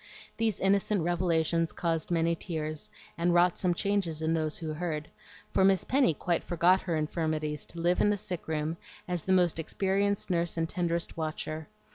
These innocent revelations caused many tears, and wrought some changes in those who heard; for Miss Penny quite forgot her infirmities to live in the sick room as the most experienced nurse and tenderest watcher.